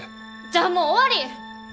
じゃあもう終わり！